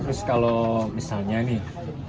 terus kalau misalnya nih